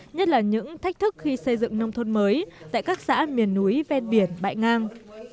nhất là những thách thức khi xây dựng nông thôn mới tại các xã miền núi ven biển bãi ngang